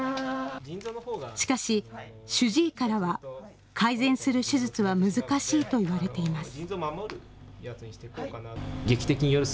しかし主治医からは改善する手術は難しいと言われています。